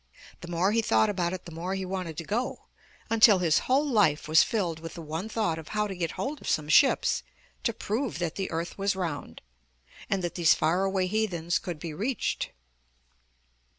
The more he thought about it the more he wanted to go, until his whole life was filled with the one thought of how to get hold of some ships to prove that the earth was round, and that these far away heathens could be reached.